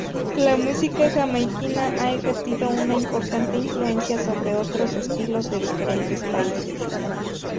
La música jamaiquina ha ejercido una importante influencia sobre otros estilos de diferentes países.